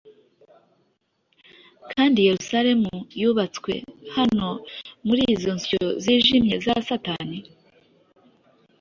Kandi Yerusalemu yubatswe hano Muri izo nsyo zijimye za satani?